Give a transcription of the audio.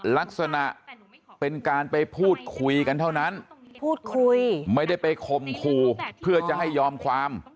ลักษณะเป็นการไปพูดคุยกันเท่านั้นพูดคุยไม่ได้ไปข่มขู่เพื่อจะให้ยอมความ